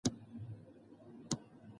افغانستان کې د لوگر په اړه زده کړه کېږي.